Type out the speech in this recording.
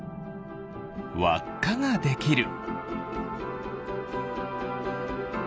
わっかができる。